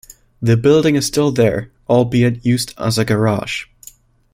The building is still there, albeit used as a garage.